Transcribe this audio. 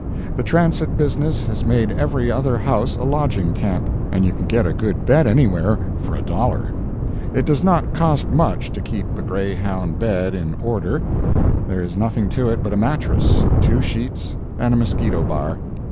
The transit business has made every other house a lodging camp, and you can get a good bed anywhere for a dollar. It does not cost much to keep a Greytown bed in order; there is nothing to it but a mattress, two sheets and a mosquito bar.